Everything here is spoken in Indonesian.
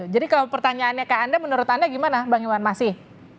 jadi kalau pertanyaannya ke anda menurut anda gimana bang iwan masih